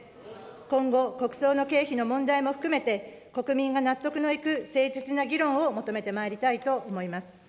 今後、国葬の経費の問題も含めて、国民が納得のいく誠実な議論を求めてまいりたいと思います。